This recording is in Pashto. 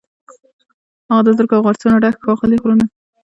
هغه د زرکو، او غرڅو، نه ډک، ښاغلي غرونه